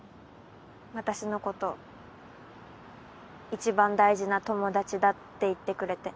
私のこといちばん大事な友達だって言ってくれて。